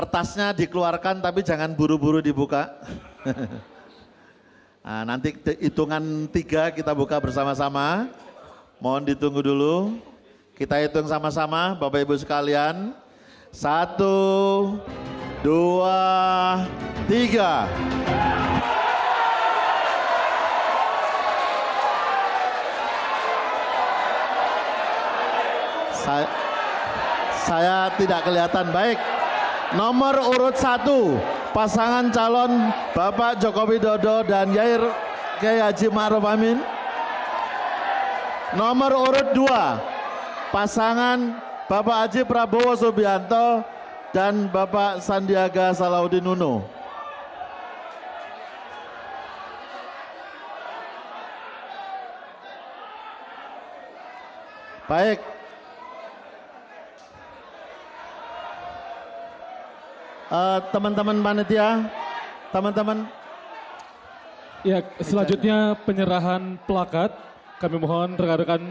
teman teman manet ya teman teman ya selanjutnya penyerahan pelakat kami mohon rekan rekan